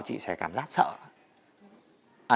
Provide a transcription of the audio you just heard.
chị sẽ cảm giác sợ ạ